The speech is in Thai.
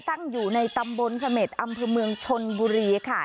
ตั้งอยู่ในตำบลเสม็ดอำเภอเมืองชนบุรีค่ะ